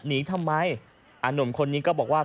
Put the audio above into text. หนีทำไมหนุ่มคนนี้ก็บอกว่า